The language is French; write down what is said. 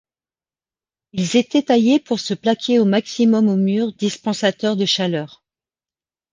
Ils étaient taillés pour se plaquer au maximum au mur dispensateur de chaleur.